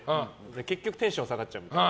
結局、テンション下がっちゃうみたいな。